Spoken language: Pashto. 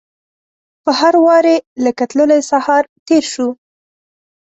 په هر واري لکه تللی سهار تیر شو